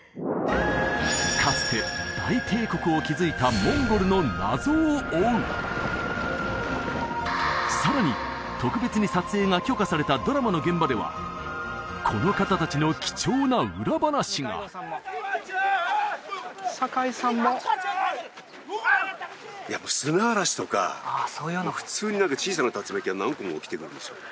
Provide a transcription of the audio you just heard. かつて大帝国を築いたモンゴルの謎を追うさらに特別に撮影が許可されたドラマの現場ではこの方達の貴重な裏話がやっぱ砂嵐とかもう普通に何か小さな竜巻が何個も起きてくるんですよ